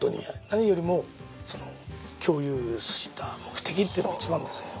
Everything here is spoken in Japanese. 何よりも共有した目的っていうのが一番ですね